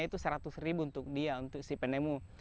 itu seratus ribu untuk dia untuk si penemu